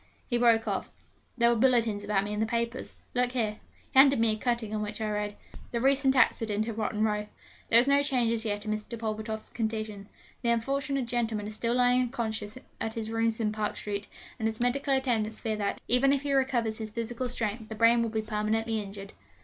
he broke off: 'there were bulletins about me in the papers. Look here.' He handed me a cutting on which I read: 'THE RECENT ACCIDENT IN ROTTEN ROW. There is no change as yet in Mr. Pulvertoft's condition. The unfortunate gentleman is still lying unconscious at his rooms in Park Street; and his medical attendants fear that, even if he recovers his physical strength, the brain will be permanently injured.'